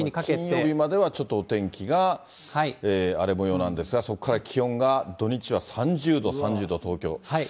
金曜日まではちょっとお天気が荒れもようなんですが、そこから気温が土日は３０度、３０度、東京。